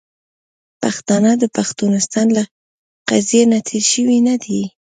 پښتانه د پښتونستان له قضیې نه تیر شوي نه دي .